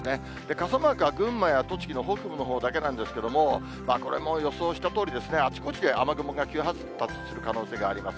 傘マークは群馬や栃木の北部のほうだけなんですけれども、これも予想したとおり、あちこちで雨雲が急発達する可能性があります。